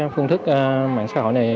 phương thức mạng xã hội này